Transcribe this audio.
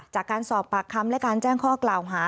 จากการสอบปากคำและการแจ้งข้อกล่าวหา